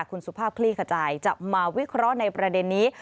คุณสุภาพคลี่ขจายจะมาวิเคราะห์ในประเด็นนี้